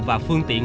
và phương tiện